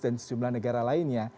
dan sejumlah negara lainnya